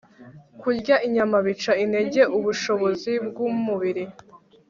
Kurya inyama bica intege ubushobozi bwumubiri